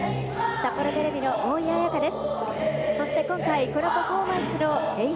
札幌テレビの大家綾香です。